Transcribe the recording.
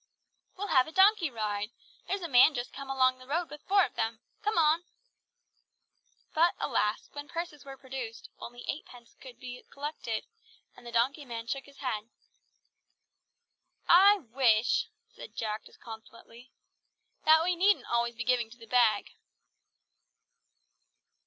"We'll have a donkey ride. There's a man just come along the road with four of them. Come on!" But, alas! When purses were produced, only eightpence could be collected, and the donkey man shook his head. "I wish," said Jack discontentedly, "that we needn't always be giving to the Bag."